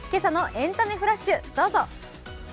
エンタメフラッシュ、どうぞ。